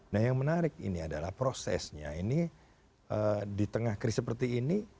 nah yang menarik ini adalah prosesnya ini di tengah kris seperti ini